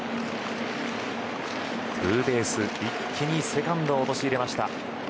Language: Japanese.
ツーベース一気にセカンドを陥れました。